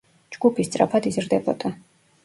ჯგუფი სწრაფად იზრდებოდა.